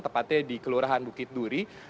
tepatnya di kelurahan bukit duri